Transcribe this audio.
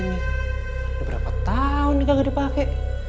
udah berapa tahun gak dipake